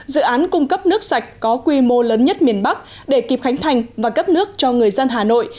dự án cung cấp nước sạch có quy mô lớn nhất miền bắc để kịp khánh thành và cấp nước cho người dân hà nội